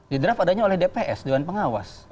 di draft adanya oleh dps dewan pengawas